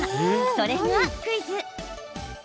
それがクイズ。